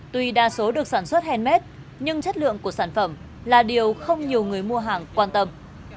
tuy đa số được sản xuất handmade nhưng chất lượng của sản phẩm là điều không nhiều người mua hàng quan tâm